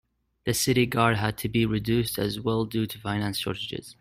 The city guard had to be reduced as well due to finance shortages.